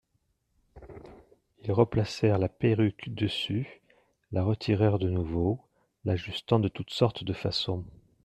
Ils replacèrent la perruque dessus, la retirèrent de nouveau, l'ajustant de toutes sortes de façons.